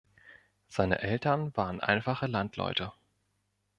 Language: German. Seine Eltern waren einfache Landleute.